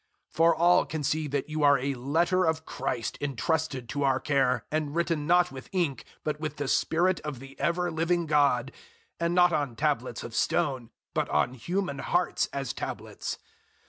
003:003 For all can see that you are a letter of Christ entrusted to our care, and written not with ink, but with the Spirit of the ever living God and not on tablets of stone, but on human hearts as tablets.